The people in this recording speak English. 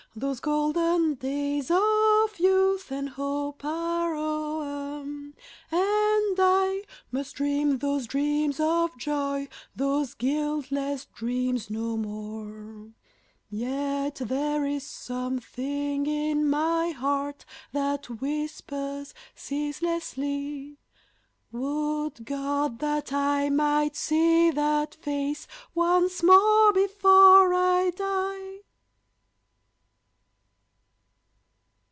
those golden days of youth and hope are o'er, And I must dream those dreams of joy, those guiltless dreams no more; Yet there is something in my heart that whispers ceaselessly, "Would God that I might see that face once more before I die!"